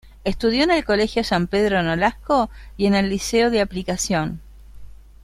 Estudió en el Colegio San Pedro Nolasco y en el Liceo de Aplicación.